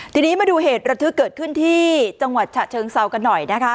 ทีนี้มาดูเหตุระทึกเกิดขึ้นที่จังหวัดฉะเชิงเซากันหน่อยนะคะ